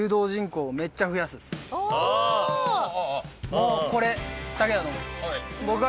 もうこれだけだと思います。